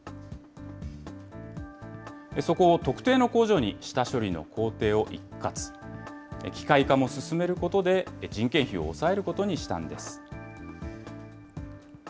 そこを特定の工場に下処理の工程を一括、機械化も進めることで、人件費を抑えることにしたんです。